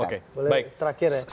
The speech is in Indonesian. oke boleh terakhir ya